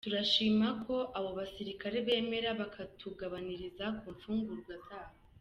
Turashima ko abo basirikare bemera bakatugabaniriza ku mfungurwa zabo.